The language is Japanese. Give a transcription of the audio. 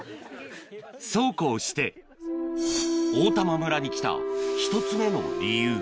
そうこうして大玉村に来た１つ目の理由